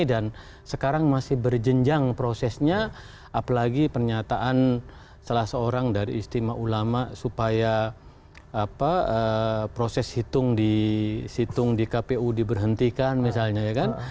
dan sekarang masih berjenjang prosesnya apalagi pernyataan salah seorang dari istimewa ulama supaya proses hitung di kpu diberhentikan misalnya